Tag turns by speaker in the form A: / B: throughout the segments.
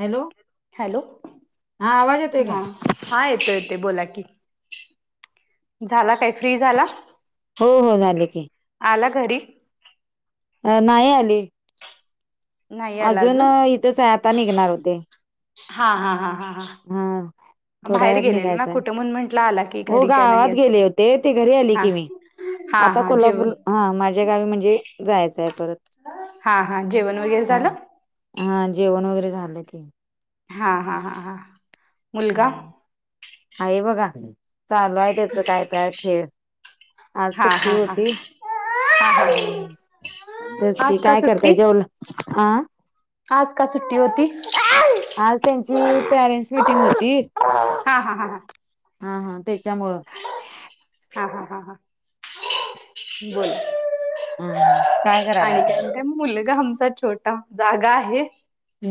A: Hello.
B: Hello
A: हा आवाज येतोय का?
B: हा... हा येतो येते बोला की झाला काय फ्री झाला.
A: हो हो झाले की.
B: आला घरी..
A: अ नाही आली.
B: नाही आला
A: अजुन
B: अजून
A: इथेच हे आता निघणार होते.
B: हा हा हा हा हा....
A: हा.... थोड्या
B: बाहेर
A: वेळात
B: गेलेल ना
A: निघायच हे
B: कुठे म्हणून म्हंटलं आला की
A: हो
B: घरी काय नाही
A: गावात
B: अजून
A: गेले होते ती घरी आली
B: हा
A: की मी...
B: हा
A: आता
B: हा जेवण
A: कोल्हापूर हा माझ्या गावी म्हणजे जायचं हे परत.
B: हा हा जेवण वगैरे
A: हा
B: झालं.
A: हा जेवण वगैरे झालं की.
B: हा हा हा हा.... मुलगा
A: हा आहे बघा चालू आहे त्याच काय काय खेळ. आज
B: हा
A: सुट्टी
B: हा हा
A: होती
B: [unintelligible]
A: तेच
B: [unintelligible]
A: की
B: आज का
A: काय
B: सुट्टी...
A: करताय जेवला अ
B: आज का सुट्टी होती [unintelligible]
A: आज
B: हा
A: त्यांची पॅरेंट्स मिटिंग होती.
B: हा हा हा हा.....
A: हा हा त्याच्यामुळं.
B: हा हा हा हा बोल.
A: ह काय करायला तुम्ही
B: आणखीन काय मुलगा आमचा छोटा जागा आहे.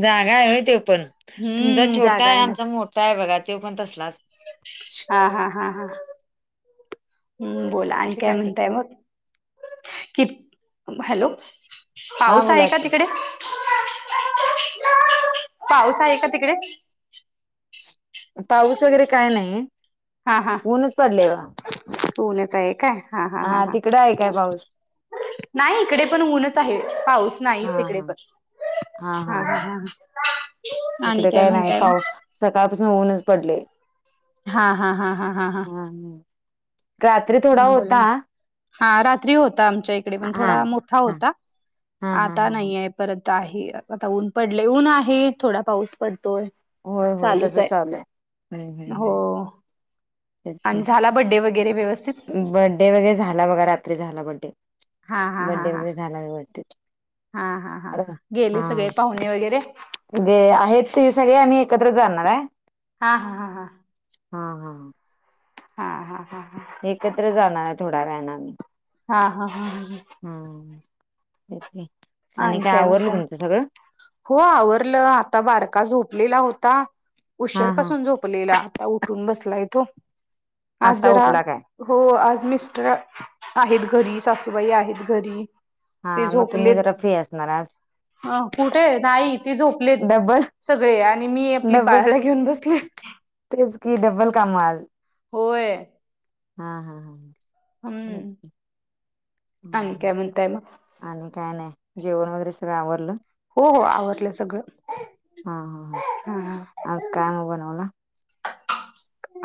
A: जागा हाय व्हय ते पण तुमचा
B: हम्म
A: छोटा
B: जागा
A: आहे
B: ना
A: आमचा मोठा आहे बघा त्यो पण तसलाच
B: हा हा हा हा... हम्म बोला आणि
A: कुठली
B: काय
A: काटे
B: म्हणताय मग किट हॅलो.
A: हा
B: पाऊस आहे
A: बोला
B: का
A: की
B: तिकडे? पाऊस आहे का तिकडे?
A: पाऊस वगैरे काय नाही.
B: हा हा
A: ऊनच पडले बा.
B: ऊनच आये काय हा हा हा हा,
A: तिकडं आहे काय पाऊस
B: नाही इकडे पण ऊनच आहे. पाऊस
A: हा
B: नाहीच इकडे
A: हा
B: पण. हा हा हा, हा आणि
A: इकडे काय नाही
B: म्हणताय
A: पाऊ
B: मग
A: सकाळपासून उनच पडले.
B: हा हा हा हा हा हा,
A: रात्री थोडा
B: बोला
A: होता.
B: ना हा रात्री होता आमच्या इकडे
A: हा
B: पण
A: हा
B: थोडा मोठा
A: हा
B: होता.
A: हा हा
B: आता
A: हा
B: नाहीये. परत आहे आता ऊन पडले ऊन आहे थोडा पाऊस पडतोय.
A: होय होय
B: चालूच
A: तसं
B: आहे.
A: चालूय
B: हो.
A: तेच की
B: आनं झाला बड्डे वगैरे व्यवस्थित?
A: बड्डे वगैरे झाला बघा, रात्री झाला बड्डे,
B: हा हा हा
A: बड्डे
B: हा
A: वगैरे झाला व्यवस्थित.
B: हा हा हा हा, गेले सगळे पाहुणे वगैरे?
A: गे आहेत ते सगळे आम्ही एकत्र जाणार आहे.
B: हा हा हां हा,
A: हा हा हा,
B: हा हा हा हा,
A: एकत्र जाणार थोड्या व्यानामी.
B: हा हा हा हम हम,
A: हा तेच आहे आणि काय आवरल तुमचं सगळं?
B: हो आवरलं. आता बारका झोपलेला होता. उशीर
A: हा हा
B: पाासून झोपलेला. ता उठून बसलाय तो. आज
A: आता
B: जरा
A: उठला काय
B: हो आज मिस्टर आहेत घरी. सासूबाई आहेत घरी.
A: हा
B: ते
A: म तुम्ही
B: झोपलेत
A: जरा फ्री असणार आज?
B: अ कुठे, नाई ती झोप लेत
A: डब्बल
B: सगळे आणि मी आपली
A: डब्बल
B: बाळाला घेऊन बसले.
A: तेच कि डब्बल काम आज
B: होय
A: हा हा हा हा, तेच
B: हम्म,
A: की
B: आणि
A: हम्म
B: काय म्हणताय म?
A: आणि काय नाय. जेवण वगैरे सगळं आवरलं.
B: हो हो, आवरलं सगळं. हा हा,
A: आज काय मग बनवला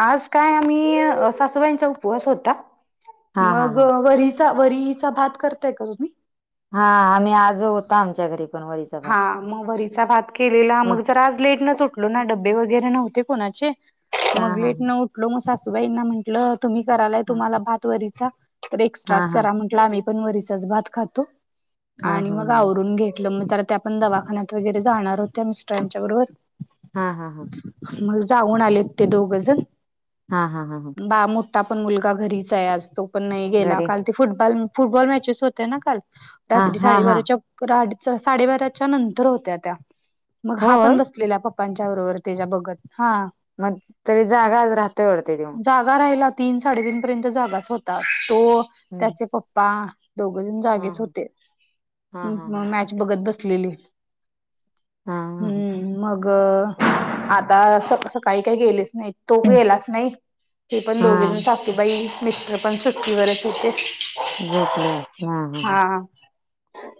B: आज काय आम्ही, सासूबाईंचा उपवास होता.
A: हा हा
B: मग
A: हा
B: वरीचा वरीचा भात करताय का तुम्ही?
A: हा आम्ही आज होता आमच्या घरी पण वरी
B: हा. मग वरीचा भात केलेला. मग जरा आज लेट न सुटलो ना डब्बे वगैरे नव्हते कोणाचे.
A: हा
B: मग
A: हा
B: लेट
A: हा
B: न उठलो मग सासूबाईंना म्हटलं तुम्ही करालाय
A: हा
B: तुम्हाला भात वरीचा तर
A: हा
B: एक्स्ट्राच
A: हा
B: करा म्हटलं आम्ही पण वरचाच भात खातो.
A: हा
B: आणि
A: हा
B: मग आवरून घेतलं मग जरा त्या पण दवाखान्यात वगैरे जाणार होत्या मिस्टरांच्या बरोबर.
A: हा हा हा,
B: मग जाऊन आलेत ते दोघजण.
A: हा हा हा हां,
B: बा मोठा पण मुलगा घरीच आहे आज तो पण नाही गेला
A: घरी
B: काल. ते फुटबॉल फुटबॉल मॅचेस होते ना काल
A: हा
B: रात्री
A: हा हा
B: साडेबाराच्या पुढं आडीच वाज साडेबाराच्या नंतर होत्या त्या, मग हा पण
A: होय
B: बस लेल्या पप्पांच्या बरोबर त्याच्या बघत हा
A: मग तरी जागा राहतोय आवढते देऊन
B: जागा राहिला तीन साडेतीीन पर्यंत जागाच होता तो
A: हम्म.
B: त्याचे पप्पा दोघजण
A: हा
B: जागेच होते
A: हा हा हा
B: मॅच बघत बसलेली
A: हा हा हा
B: हम्म मग आता स सकाळी काय गेलेस नाही तो गेलाच नाही ते पण दोघेजण
A: हा
B: सासूबाई मिस तर पण सुट्टीवरच होेते
A: झोपलो हा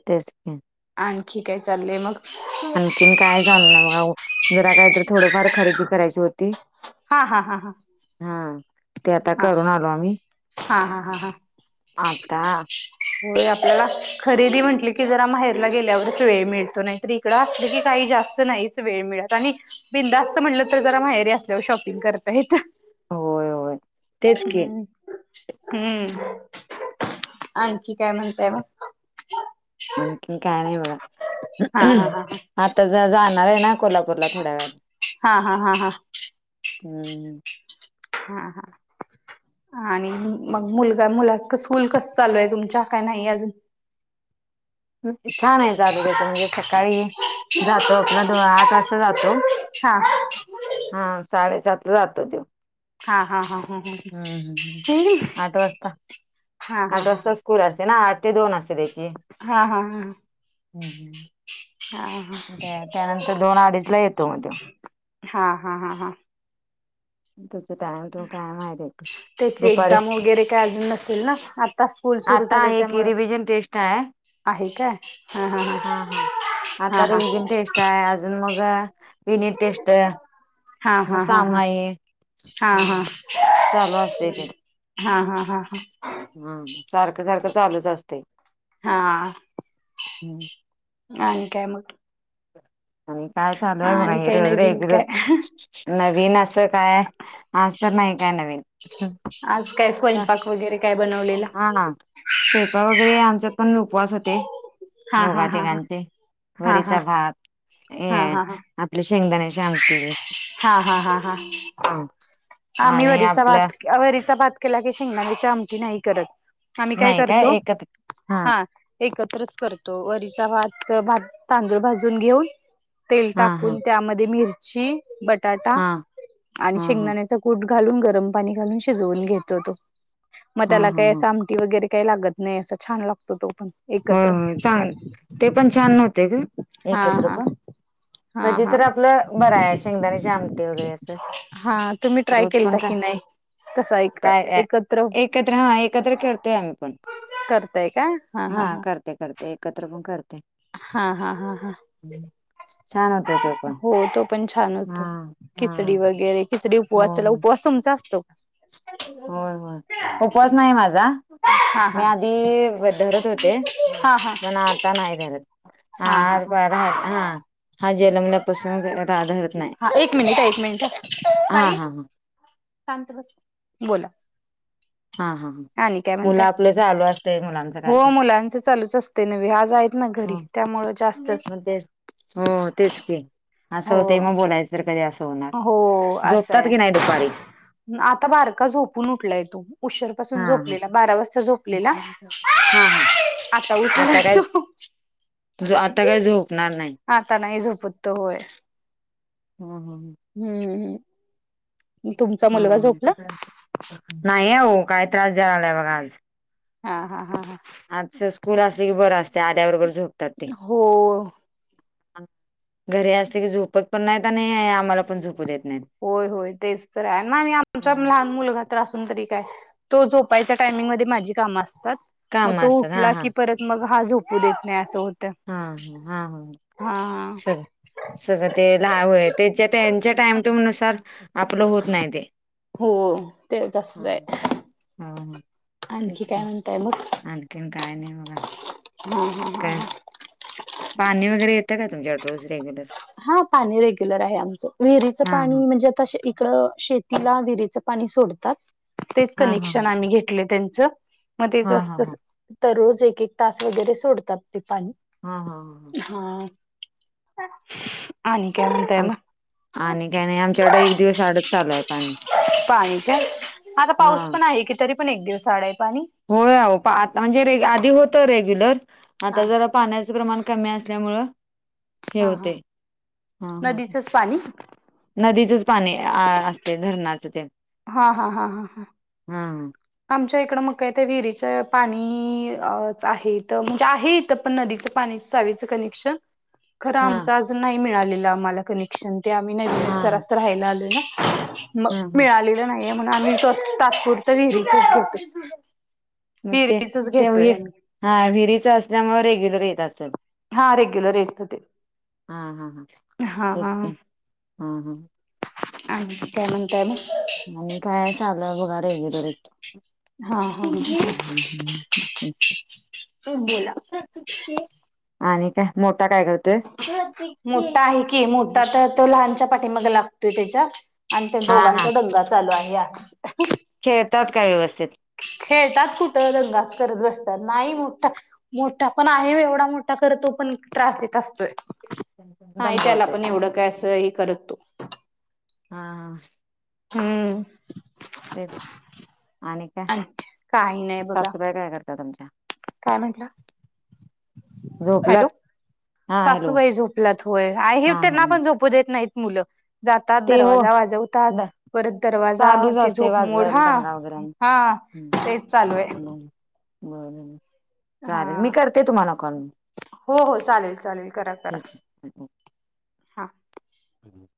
A: तेच की
B: आणखी काय चाललंय मग
A: आणखीन काय चाल ना म जरा काहीत थोडंफार खरेदी करायची होती
B: हा हा हा हा
A: हा ते आता
B: हा
A: करून आलो आम्ही
B: हा हा
A: आता
B: हो आपल्याला खरेदी म्हंटली की जरा माहेरला गेल्यावरच वेळ मिळतो नाही तरी इडं असलं की काही जास्त नाहीच वेळ मिळत आणि बिंदस्त म्हटलं तर जरा माहेरी असल्यावर शॉपिंग करतायेत
A: होय होय तेच की
B: हम्म हम्म आणखी काय म्हणताय म
A: आणखीन काय नाही
B: हा
A: बघा
B: हा हा
A: आता जाणार आहे ना कोल्हापूरला थोड्या वेळात
B: हा हा हा हा
A: हम्म
B: हा हा आणि मग मुलगा मुलाच स्कूल कस चालू आहे तुमच्या काय नाही अजून
A: छान आहे त्याच म्हणजे सकाळी जातो आपला आठ वाजता जातो
B: हा
A: हा साडेसातला जातो देव
B: हा हा हा हा हा
A: हम्म हम्म
B: हा
A: हम्म आठ वाजता
B: हा हा
A: आठ वाजता स्कूल असते ना आठ ते दोन असते त्याची
B: हा हा
A: हम्म हम्म.
B: हा हा
A: त्यानंतर दोन अडीच ला येतो मग तो
B: हा हा हा हा
A: त्याचा टाम कि काायम आहे त्याचे दुपारी
B: का अजून नसेल ना आता स्कूल सुरू
A: आता
B: झाले
A: आहे की
B: त्यामुळ
A: रिव्हिजन टेस्ट आहे
B: आहे काय ह ह ह
A: हा हा आता रे विगन टेस्ट आहे अजून मग युनिट टेस्ट
B: हा
A: मग
B: हा हा हा
A: सामाई
B: हा हा
A: हम्म. चालू असते
B: हा हा हा हा
A: हम सारखं सारखं चालूच असते
B: हा हा
A: हम्
B: आणि काय म्हग
A: आणि काय चालूय बघा
B: आणि काही
A: हेरेरे
B: नवीन
A: एकद
B: काय
A: नवीन असं काय अस असं नाही काय नवीन
B: आज कायच पण स्वयंपाक वगैरे बनवलं
A: हा स्वयंपाक वगैरे आमच्यात पण उपवास होते
B: हा हा
A: दोघा
B: हा हा
A: तेघांचे
B: हा हा
A: वरीचा भात हे
B: हा हा हा
A: आपली शेंगदाण्याचे आमटी
B: हा हा हा हा
A: हा.
B: आम्ही
A: आणि
B: वरीचा
A: आपलं
B: भात वरीचा भात केला की शेंगदाची अमठीी नाही करत. आम्ही काय करतो हा. एकत्रच करतो वरीचा भात तांदूळ भाजून घेऊन. तेल
A: हा हा
B: टाकून त्यामध्ये मिरची बटाटा
A: हा
B: आणि
A: हा हा
B: शेंगदाण्याचा ूठ घालून गरम पाणी घालून शिजवून घेतो तो मग
A: हा हा
B: त्याला काय.
A: हा
B: वगैरे काही लागत नाही असा छान लागतो तो पण.
A: हो
B: एकत्र
A: चांग ते पण छान होव्हते का
B: हा
A: एकत्र
B: हा
A: पण
B: हा
A: कधी
B: हा
A: तर आपलं बरं आहे शेंगदाारचे आमटे वगैरे असं.
B: हा तुम्ही ट्राय
A: रोज
B: केलता
A: पण का
B: की नाही तसा एक
A: काय
B: एकत्र
A: एकत्र हा एकत्र करतोय आम्ही पण.
B: करताय का.
A: हा करते करते एकत्र पण करते.
B: हा हा हा हा..
A: छान होतय तेव.
B: हो तो पण छान होतो
A: हा
B: खिचडी वगैरे खिचडी
A: हो
B: उपवासाला
A: हो
B: उपवास तुमचा असतो का.
A: होय होय उपवास नाही माझा
B: हा
A: मी
B: हा
A: आधीधरत होते.
B: हा हा
A: पण आत्ता नाही धर त.
B: हा हा हा
A: हारळा राहायला हा हा जनमल्यापासून राधरत नाही.
B: एक मिनिट आहे
A: हा हा हा
B: साईांतस बोला.
A: हा हा
B: आणि काय
A: मुलं
B: म्हणताय
A: आपलं चालू असतय मुलांच.
B: हो मुलांच चालूच असते न् आज आहेत ना घरी त्यामुळं जास्तच.
A: मग ते हो तेच की असं
B: हो
A: होत मग बोलायचं कधी अस. होणार
B: हो असं
A: जोपतात की
B: आहे
A: नाही दुपारी.
B: आता बारका झोपून उठलाय तो. उशर पासून
A: हा हा
B: झोपलेला बारा वाजता झोपलेला.
A: हा हा
B: उठला
A: आता काय
B: तो
A: आता काय झोपणार नाही.
B: हाता नाही झोपत तो होय.
A: हम हम ह
B: हम्म हम्
A: ह्मम हम नाही ओ काय त्रास द्यालाय बघा आज.
B: हा हा हा हा..
A: आजच स्कूल असले की बरं असते आध्या बरोबर झ
B: हो...
A: घरी असले की झोपत पण नाहीत आणि आम्हाला पण झोपू देत नाहीत.
B: होय होय तेच तर आहे नाही आही आमच्या लहान मुलगात्र असून तरी काय. तो झोपायच्या टायमिंगमध्ये माझी कामं असतात मग
A: काम
B: तो
A: असतात हा
B: उठला
A: हा
B: की परत. मग हा झोपू देत नाही असं होत.
A: हा हा हा हा चल. सगळं ते लय त्याच्या त्यांच्या टाइम टूम नुसार. आपलं होत नाही ते
B: हो ते तसच आहे.
A: हो
B: आणखी
A: तेच
B: काय
A: की
B: म्हणताय मग
A: आणखीन काय नाही बघा.
B: हा हा हा
A: काय
B: हा.
A: पाणी वगैर येतं का तुमच्याड.
B: हा पाणी रेग्युलर आहे आमचं विहिरीचं
A: हा हा.
B: पाणी म्हणजे आता शेत इथ शेतीला विहिरीचं पाणी सोडतात तेच
A: हा हा
B: कनेक्शन
A: ह
B: आम्ही घेतले त्यांच मध्ये
A: हा हा
B: जास्त
A: हा
B: तर रोज एक एक तास वगैरे सोडतात ते पाणी
A: हा हा ह हा
B: हा आणि काय म्हणताय
A: हा ह.
B: मग
A: आणि काय नाही आमच्याकड एक दिवस आडच चालू आहे पाणी
B: पाणी काय आता पाऊस
A: हा.
B: पण आहे कि तरी पण एक दिवस आड आहे पाणी
A: होय आओ आता म्हणजे आधी होत रेग्युलर
B: हा
A: आता जर पाण्याचं प्रमाण कमी असल्यामुळं हे
B: हा हा
A: होतय हां ह
B: नदीचंच पाणी
A: नदीचच पाणी आ असते धरणाच तेन
B: हा हा हां हा.
A: हम्
B: आमच्या इकडं मग काय ते विहिरीच पाणीच आहेत म्हणजे आहे इथ तर पण नदीचं पाणी चावीचं कनेक्शन खरं
A: हा
B: आमचं अजून नाही मिळालेलं आम्हाला कनेक्शन ते आम्ही नवीन
A: हा हा
B: जरास राहायला आलो ना. म
A: हा हा.
B: मिळालेलं नाहीये म्हणून आम्ही तात्पुरत विहिरीचच घेतो.
A: मग ते
B: विहीरीसच
A: ते
B: घेतोय
A: विहीर
B: आम्ही
A: हा विहिरीच असल्यामुळे रेग्युलर येत असेल.
B: हा रेग्युलर येत ते
A: हा हा हा.
B: हा
A: तेच की.
B: ह
A: हा हा.
B: अे काय म्हणताय मग
A: आणि काय चालू आहे बघा रेग्युलेटी
B: हा
A: ठीक
B: हा.
A: आहे.
B: तूप बोला.
A: आणि काय मोठा काय करत.
B: मोठा आहे की मोठा तर तो लहानच्या पाठी मग लागतोय त्याच्या आणि त्या
A: हा हा
B: दोघांचा दंगा चालू आहे.
A: खेळतात काय व्यवस्थित?
B: खेळतात कुठं दंगाच करत बसतात नाही मोठा मोठा पण आहे एवढा मोठा करतो पण त्रास देत असतोय. हा त्याला
A: दमबवतोय
B: आपण एवढं काय असं हे करत तो
A: हा हा
B: हम्म
A: तेच आणि काय
B: काही नाही बघा
A: सासूबाई काय करता आमच्या
B: काय म्हटलं हॅलो
A: झोपल्यात हा हॅलो
B: सासूबाई झोपलात होय आहे
A: हा हा
B: त्यांना पण झोपू देत नाहीत मुलं जातात
A: ते हो
B: दरवाजा वाजवतात परत दरवाजा
A: चालूच
B: ती
A: असते
B: झोपमोड
A: वाजवायला
B: हा.
A: दंगा वगैरे आणि
B: हा तेच चालू आहे.
A: बरं. चालेल मी
B: हा
A: करते तुम्हाला कॉल
B: हो हो चालेल चालेल करा करा
A: ठीक आहे ओक.
B: हा
A: हम्